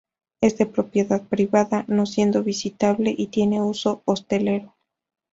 Es de propiedad privada, no siendo visitable, y tiene uso hostelero.